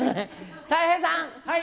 たい平さん。